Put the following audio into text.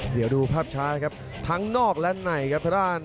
เดี๋ยวดูภาพชาติครับทั้งนอกและในครับ